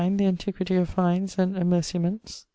The antiquity of fines and amerciaments.